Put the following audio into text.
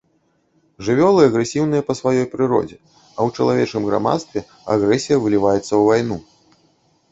Жывёлы агрэсіўныя па сваёй прыродзе, а ў чалавечым грамадстве агрэсія выліваецца ў вайну.